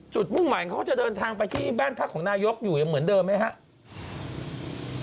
มุ่งใหม่เขาก็จะเดินทางไปที่บ้านพักของนายกอยู่เหมือนเดิมไหมครับ